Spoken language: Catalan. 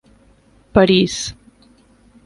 París.